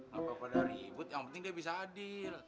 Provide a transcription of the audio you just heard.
gak apa apa udah ribut yang penting dia bisa adil